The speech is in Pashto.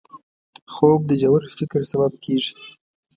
خوب د ژور فکر سبب کېږي